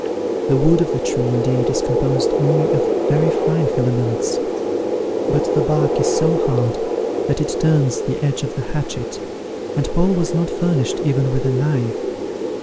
The wood of the tree, indeed, is composed only of very fine filaments; but the bark is so hard that it turns the edge of the hatchet, and Paul was not furnished even with a knife.